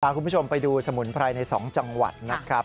คุณผู้ชมไปดูสมุนไพรใน๒จังหวัดนะครับ